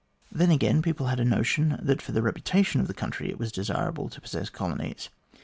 Then, again, people had a notion that for the reputation of the country it was desirable to possess colonies.